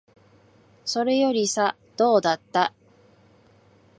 それよりさ、どうだった？